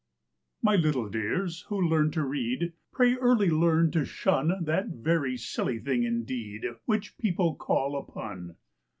My little dears who learn to read, pray early learn to shun That very silly thing indeed, which people call a pun.